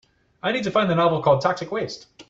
I need to find the novel called Toxic Waste